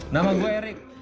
nama gue erik